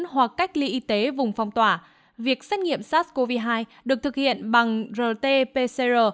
hoặc cách ly y tế vùng phong tỏa việc xét nghiệm sars cov hai được thực hiện bằng rt pcr